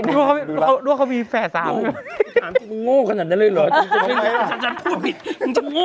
ถามตรง